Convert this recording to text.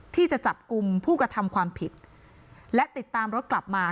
ที่จะจับกลุ่มผู้กระทำความผิดและติดตามรถกลับมา